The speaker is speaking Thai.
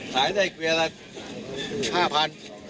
สายได้เกวียร์ละ๕๐๐๐